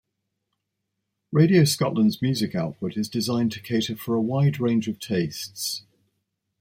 Radio Scotland's music output is designed to cater for a wide range of tastes.